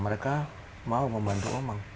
mereka mau membantu omang